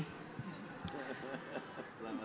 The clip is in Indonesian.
baik terima kasih